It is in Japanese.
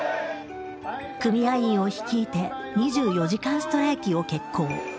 組合員を率いて２４時間ストライキを決行。